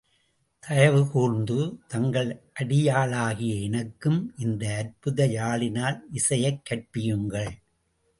தயவு கூர்ந்து தங்கள் அடியாளாகிய எனக்கும் இந்த அற்புத யாழினால் இசையைக் கற்பியுங்கள்!